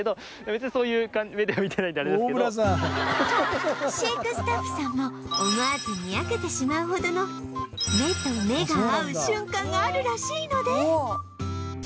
と飼育スタッフさんも思わずニヤけてしまうほどの目と目が合う瞬間があるらしいので